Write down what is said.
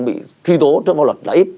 bị truy tố trong bộ luật là ít